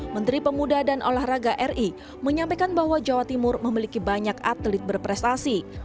menteri pemuda dan olahraga ri menyampaikan bahwa jawa timur memiliki banyak atlet berprestasi